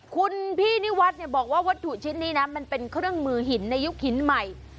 คุณพี่นิวัฒน์บอกว่าวัตถุชิ้นนี้นะมันเป็นเครื่องมือหินในยุคหินใหม่